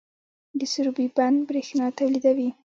د سروبي بند بریښنا تولیدوي